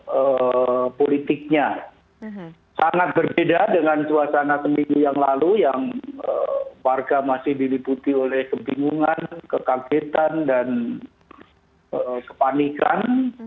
dan juga kondisi politiknya sangat berbeda dengan suasana seminggu yang lalu yang warga masih diliputi oleh kebingungan kekagetan dan kepanikan